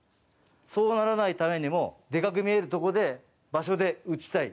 そうならないためにも、デカく見えるところで、場所で打ちたい。